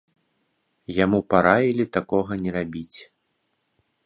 Яму параілі такога не рабіць.